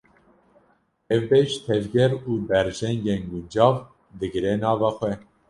Ev beş, tevger û berjengên guncav digire nava xwe.